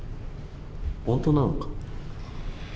本当なのか。